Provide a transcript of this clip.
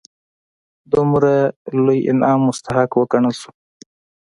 دومره لوی انعام مستحق وګڼل شول.